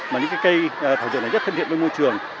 mà những cái cây thảo dược này rất thân thiện với môi trường